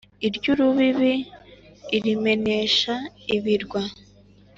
iry’urubibi irimenesha ibirwa,